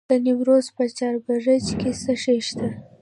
د نیمروز په چاربرجک کې څه شی شته؟